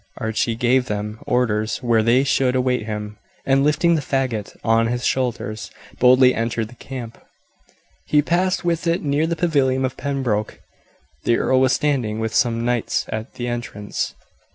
Archie gave them orders where they should await him, and lifting the faggot on his shoulders boldly entered the camp. He passed with it near the pavilion of Pembroke. The earl was standing with some knights at the entrance.